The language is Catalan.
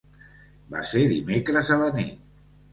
Va ser dimecres a la nit.